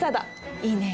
いいね。